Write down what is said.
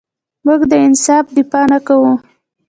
موږ د انصاف دفاع نه کوو.